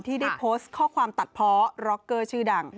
ที่ได้โพสต์ข้อความตัดเพาะร็อกเกอร์ชื่อดัง